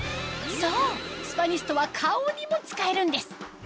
そうスパニストは顔にも使えるんです